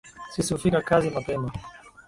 Sisi hufika kazi mapema